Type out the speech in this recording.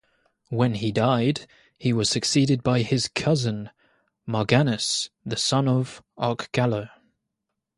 When he died, he was succeeded by his cousin, Marganus, the son of Archgallo.